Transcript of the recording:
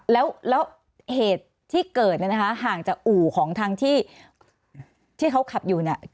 แล้วเหตุที่เกิดเนี่ยนะคะห่างจากอู่ของทางที่เขาขับอยู่เนี่ย